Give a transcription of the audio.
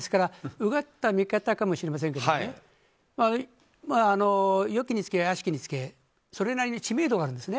うがった見方かもしれませんけど良きにつけ悪しきにつけそれなりに知名度はあるんですね。